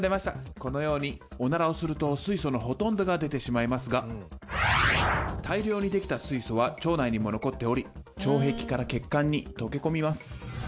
このようにオナラをすると水素のほとんどが出てしまいますが大量に出来た水素は腸内にも残っており腸壁から血管に溶け込みます。